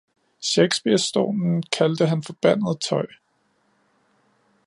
Shakespeares stormen kaldte han forbandet tøj